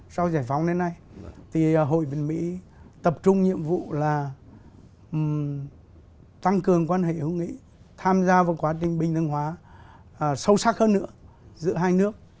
sau giải phóng đến nay thì hội viên mỹ tập trung nhiệm vụ là tăng cường quan hệ hữu nghị tham gia vào quá trình bình hưng hóa sâu sắc hơn nữa giữa hai nước